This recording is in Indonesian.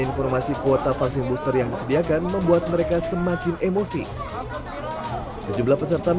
informasi kuota vaksin booster yang disediakan membuat mereka semakin emosi sejumlah peserta